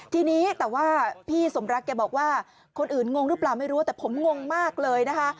ทีนี้แต่ว่าพี่สมรักแกบอกว่าคนอื่นงงหรือเปล่าไม่รู้แต่ผมงงมากเลยนะคะ